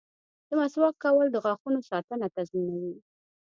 • د مسواک کول د غاښونو ساتنه تضمینوي.